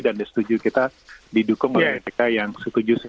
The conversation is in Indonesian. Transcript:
dan setuju kita didukung oleh mereka yang setuju